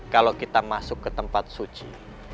kalau kita masuk ke tempat suci